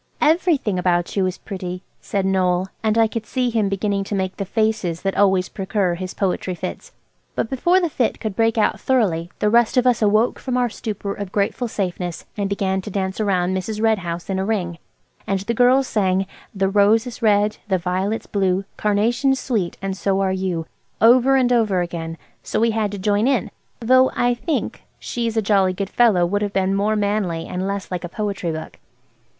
"Everything about you is pretty," said Noël. And I could see him beginning to make the faces that always precur his poetry fits. But before the fit could break out thoroughly the rest of us awoke from our stupor of grateful safeness and began to dance round Mrs. Red House in a ring. And the girls sang– "The rose is red, the violet's blue, Carnation's sweet, and so are you," over and over again, so we had to join in; though I think "She's a jolly good fellow" would have been more manly and less like a poetry book.